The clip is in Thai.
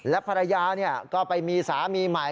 และภรรยาก็ไปมีสามีใหม่